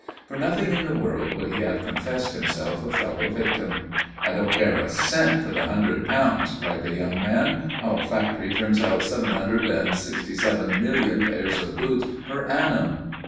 For nothing in the world would he have confessed himself a fellow victim. "I don't care a cent for the hundred pounds," cried the young man. "Our factory turns out seven hundred and sixty seven million pairs of boots per annum."